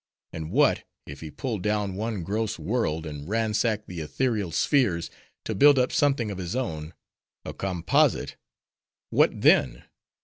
And what, if he pulled down one gross world, and ransacked the etherial spheres, to build up something of his own—a composite:—what then?